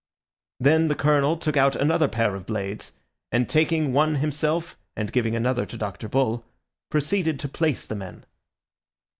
Then the Colonel took out another pair of blades, and taking one himself and giving another to Dr. Bull, proceeded to place the men.